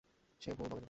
সে ভুল বলেনি।